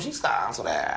それ。